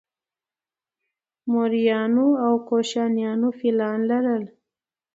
موریانو او کوشانیانو فیلان لرل